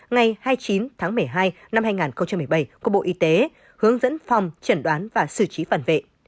ngày hai mươi chín tháng một mươi hai năm hai nghìn một mươi bảy của bộ y tế hướng dẫn phòng chẩn đoán và xử trí phản vệ